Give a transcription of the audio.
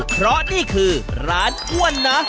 เพราะนี่คือร้านอ้วนนะ